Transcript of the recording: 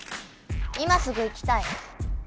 今すぐ行きたい。